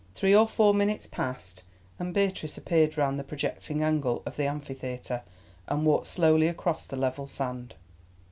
Three or four minutes passed, and Beatrice appeared round the projecting angle of the Amphitheatre, and walked slowly across the level sand.